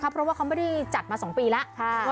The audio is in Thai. เพราะว่าเขาไม่ได้จัดมา๒ปีแล้ว